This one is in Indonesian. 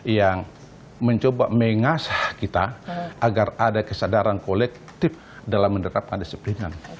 yang mencoba mengasah kita agar ada kesadaran kolektif dalam menerapkan disiplinan